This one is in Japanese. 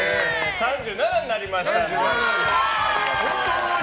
３７になりましたんで。